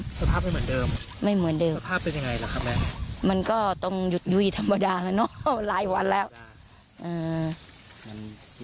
สภาพไม่เหมือนเดิมไม่เหมือนเดิมสภาพเป็นยังไงล่ะครับแม่มันก็ต้องหยุดยุ้ยธรรมดาแล้วเนอะหลายวันแล้ว